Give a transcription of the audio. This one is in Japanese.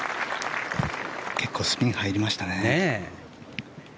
結構スピン入りましたね。